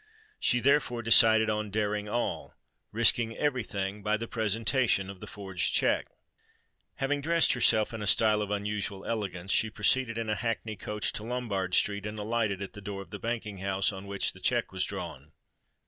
She therefore decided on daring all—risking everything, by the presentation of the forged cheque! Having dressed herself in a style of unusual elegance, she proceeded in a hackney coach to Lombard Street, and alighted at the door of the banking house on which the cheque was drawn.